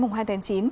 mùng hai tháng chín